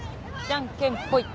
じゃんけんぽい。